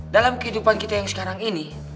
dalam kehidupan kita yang sekarang ini